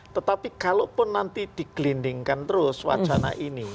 tetapi kalau pun nanti digelindingkan terus wacana ini